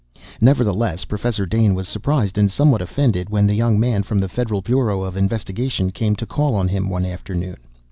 Nevertheless Professor Dane was surprised and somewhat offended when the young man from the Federal Bureau of Investigation came to call on him one afternoon.